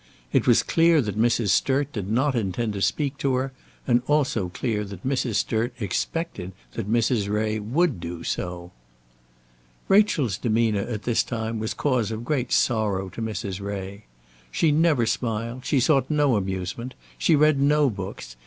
It was clear that Mrs. Sturt did not intend to speak to her, and also clear that Mrs. Sturt expected that Mrs. Ray would do so. Rachel's demeanour at this time was cause of great sorrow to Mrs. Ray. She never smiled. She sought no amusement. She read no books.